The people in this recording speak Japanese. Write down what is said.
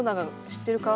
知ってるか？